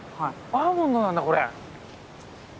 アーモンドなんだこれ。